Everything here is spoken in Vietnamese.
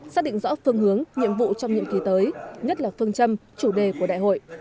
xác định rõ phương hướng nhiệm vụ trong nhiệm kỳ tới nhất là phương châm chủ đề của đại hội